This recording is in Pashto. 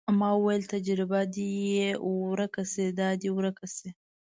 ما وويل تجربه دې يې ورکه سي دا دې ورکه سي.